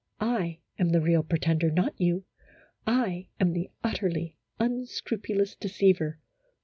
I am the real pre tender, not you ! I am the utterly unscrupulous deceiver.